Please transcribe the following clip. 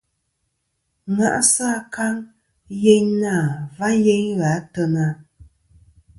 Ŋa'sɨ akaŋ yeyn na va yeyn gha a teyna.